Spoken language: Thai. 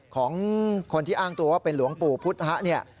ของคนที่อ้างตัวว่าเป็นหลวงปู่พุธฮะ